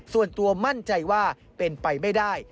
ส่วนตัวมั่นใจว่าเป็นไปไม่ได้